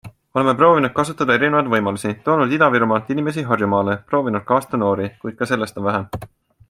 Oleme proovinud kasutada erinevaid võimalusi - toonud Ida-Virumaalt inimesi Harjumaale, proovinud kaasta noori, kuid ka sellest on vähe.